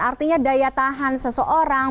artinya daya tahan seseorang